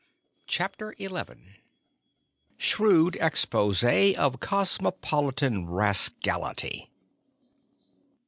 CHAPTER XL SHREWD EXPOSE OF COSMOPOLITAN RASCALITY.